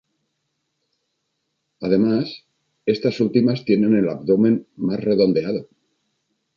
Además, estas últimas tienen el abdomen más redondeado.